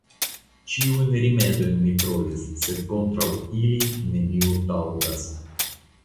Ĉiujn rimedojn mi provis, sed kontraŭ ili, nenio taŭgas.